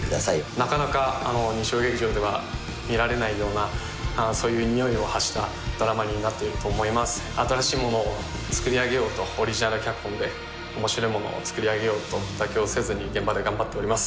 なかなか日曜劇場では見られないようなそういうにおいを発したドラマになっていると思います新しいものをつくりあげようとオリジナル脚本で面白いものをつくりあげようと妥協せずに現場で頑張っております